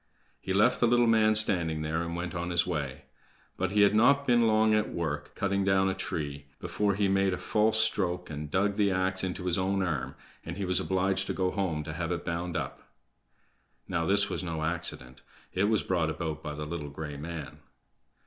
He left the little man standing there, and went on his way. But he had not been long at work, cutting down a tree, before he made a false stroke, and dug the ax into his own arm, and he was obliged to go home to have it bound up. Now, this was no accident; it was brought about by the little gray man.